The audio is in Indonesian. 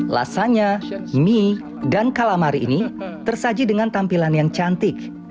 lasanya mie dan kalamari ini tersaji dengan tampilan yang cantik